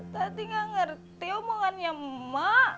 tati gak ngerti omongannya ma